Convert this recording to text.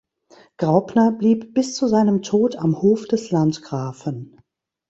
Graupner blieb bis zu seinem Tod am Hof des Landgrafen.